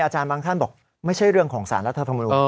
อาจารย์บางท่านบอกไม่ใช่เรื่องของสารรัฐธรรมนูญ